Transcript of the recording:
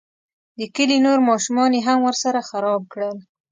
د کلي نور ماشومان یې هم ورسره خراب کړل.